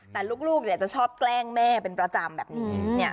แต่ลูกจะชอบแกล้งแม่เป็นประจำแบบนี้